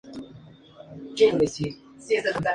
Este colorante está considerado como cancerígeno.